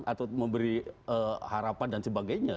atau memberi harapan dan sebagainya